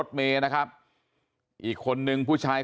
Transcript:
สวัสดีครับคุณผู้ชาย